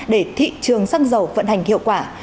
để thị trường săng dầu vận hành hiệu quả